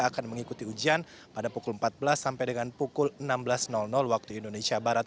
akan mengikuti ujian pada pukul empat belas sampai dengan pukul enam belas waktu indonesia barat